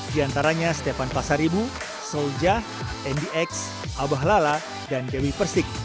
di antaranya stefan pasaribu solja andy x abah lala dan dewi persik